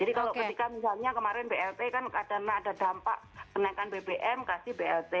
jadi kalau misalnya kemarin blt kan ada dampak penaikan bbm kasih blt